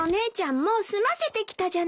もう済ませてきたじゃないの。